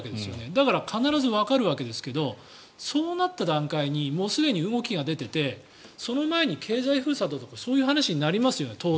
だから必ずわかるわけですがそうなった段階にもうすでに動きが出ていてその前に経済封鎖とかそういう話に当然なりますよね。